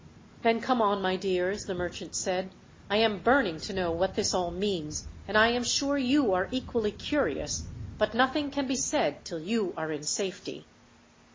"Then come on, my dears," the merchant said. "I am burning to know what this all means; and I am sure you are equally curious; but nothing can be said till you are in safety."